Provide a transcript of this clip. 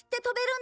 ん？